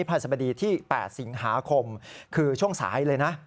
ภายสบดีที่๘สิงหาคมคือช่วงสายเลยนะ